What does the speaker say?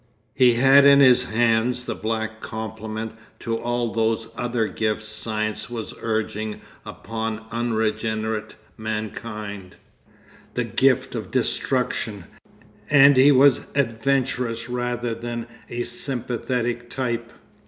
He had in his hands the black complement to all those other gifts science was urging upon unregenerate mankind, the gift of destruction, and he was an adventurous rather than a sympathetic type....